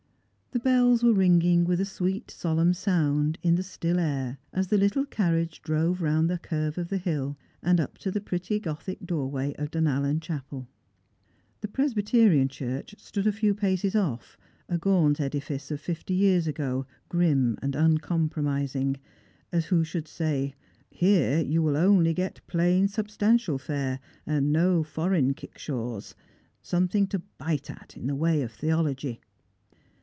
The bells were ringing with a sweet solemn sound in the still air, as the little carriage drove round the curve of the hill, and up to the pretty gothic doorway of Dunallen chapel. The Presbyterian church stood a few paces off, a gaunt edifice of fifty years ago, grim and uncompromising; as who should say. Here you will get only plain substantial fare, and no foreign kickshaws ; something to bite at, in the way of theology.